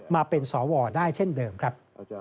มาเป็นสวได้เช่นเดิมครับ